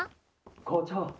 ・校長